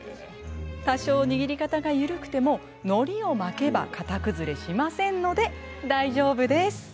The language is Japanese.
多少握り方が緩くてものりを巻けば形崩れしませんので大丈夫です。